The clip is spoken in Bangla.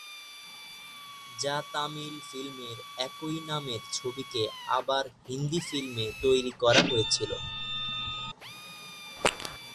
যা তামিল ফিল্মের একই নামের ছবিকে আবার হিন্দি ফিল্মে তৈরি করা হয়েছিল।